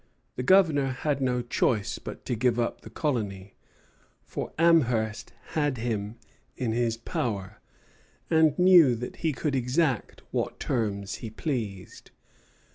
The Governor had no choice but to give up the colony; for Amherst had him in his power, and knew that he could exact what terms he pleased.